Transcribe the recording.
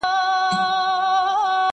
• د آدب لمرجهاني دی..